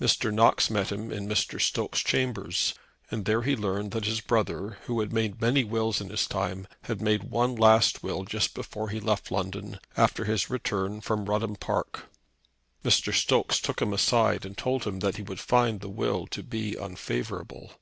Mr. Knox met him in Mr. Stokes' chambers, and there he learned that his brother, who had made many wills in his time, had made one last will just before he left London, after his return from Rudham Park. Mr. Stokes took him aside and told him that he would find the will to be unfavourable.